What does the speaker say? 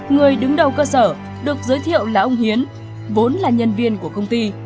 người đứng đầu cơ sở được giới thiệu là ông hiến vốn là nhân viên của công ty